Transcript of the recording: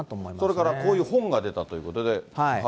それからこういう本が出たということで。